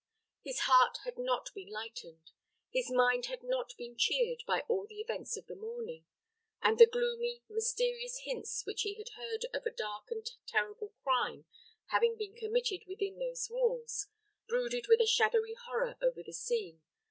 His heart had not been lightened; his mind had not been cheered by all the events of the morning; and the gloomy, mysterious hints which he had heard of a dark and terrible crime having been committed within those walls, brooded with a shadowy horror over the scene.